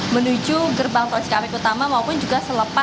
menuju gerbang tol cikampek utama